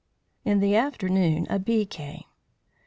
In the afternoon a bee came.